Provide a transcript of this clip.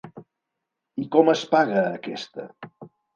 I com es paga aquesta...?